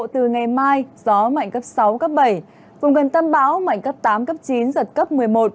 từ ngày mai gió mạnh cấp sáu cấp bảy vùng gần tâm bão mạnh cấp tám cấp chín giật cấp một mươi một